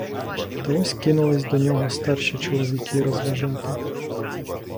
Та ось кинулися до нього старші чоловіки розважати.